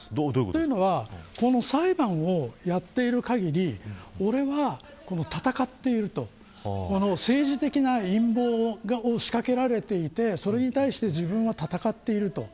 というのはこの裁判をやっているかぎり俺は戦っていると政治的な陰謀を仕掛けられていてそれに対して自分は戦っていると。